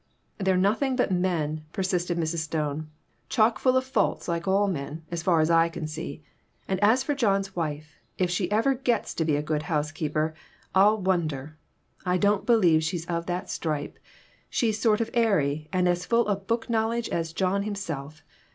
"They're nothing but men," persisted Mrs. Stone; "chock full of faults like all men, as far as I can see. As for John's wife, if ever she gets to be a good housekeeper, I'll wonder. I don't believe she's of that stripe. She's sort of airy and as full of book knowledge as John him self.